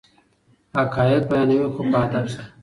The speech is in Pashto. حقایق بیانوي خو په ادب سره.